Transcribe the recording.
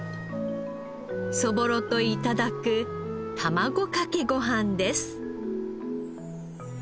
そぼろと頂く卵かけごはんです。